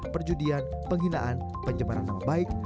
perjudian penghinaan penyebaran yang baik